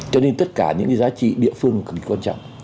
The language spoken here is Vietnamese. cho nên tất cả những cái giá trị địa phương cực kỳ quan trọng